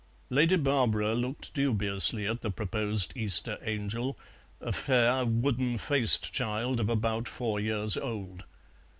Lady Barbara looked dubiously at the proposed Easter angel, a fair, wooden faced child of about four years old.